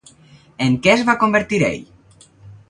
En què es va convertir ell?